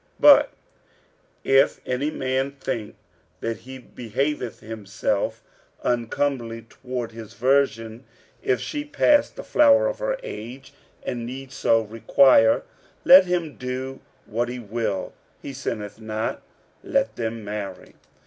46:007:036 But if any man think that he behaveth himself uncomely toward his virgin, if she pass the flower of her age, and need so require, let him do what he will, he sinneth not: let them marry.